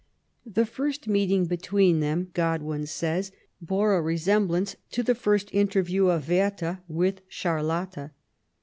The first meeting between them, Godwin says, " bore a resemblance to the first interview of Werter with Charlotte.''